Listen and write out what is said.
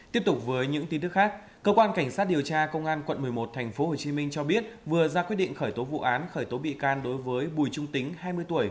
tiếp tục với những tin tức khác cơ quan cảnh sát điều tra công an quận một mươi một tp hcm cho biết vừa ra quyết định khởi tố vụ án khởi tố bị can đối với bùi trung tính hai mươi tuổi